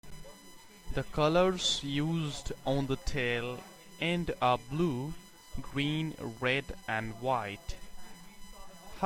The colours used on the tail end are blue, green, red and white.